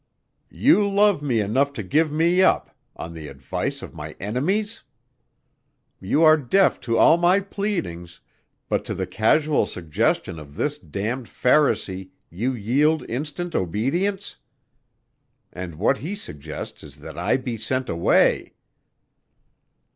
"You love me enough to give me up on the advice of my enemies! You are deaf to all my pleadings, but to the casual suggestion of this damned pharisee you yield instant obedience. And what he suggests is that I be sent away."